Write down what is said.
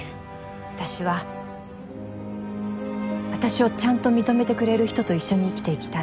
私は私をちゃんと認めてくれる人と一緒に生きていきたい。